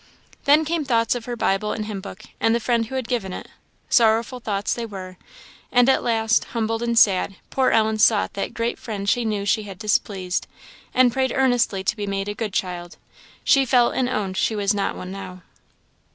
Then came thoughts of her Bible and hymn book, and the friend who had given it; sorrowful thoughts they were; and at last, humbled and sad, poor Ellen sought that great friend she knew she had displeased, and prayed earnestly to be made a good child; she felt and owned she was not one now.